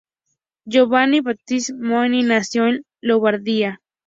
Giovanni Battista Maini nació en Lombardía.